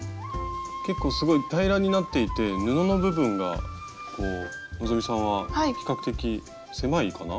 結構すごい平らになっていて布の部分が希さんは比較的狭いかな。